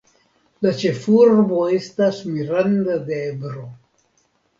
La ĉefurbo estas Miranda de Ebro.